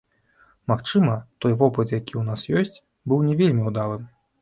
Магчыма, той вопыт, які ў нас ёсць, быў не вельмі ўдалым?